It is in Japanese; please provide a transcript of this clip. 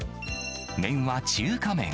麺は中華麺。